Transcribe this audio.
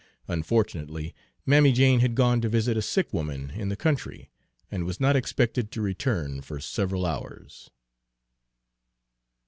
Unfortunately, Mammy Jane had gone to visit a sick woman in the country, and was not expected to return for several hours.